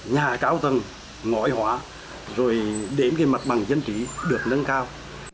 nhà cao tầng ngõi hóa rồi đến cái mặt bằng dân trí được nâng cao